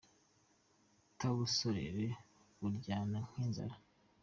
utabusore buryana nkinzara.